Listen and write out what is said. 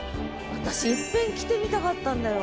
私いっぺん来てみたかったんだよ。